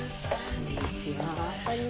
こんにちは。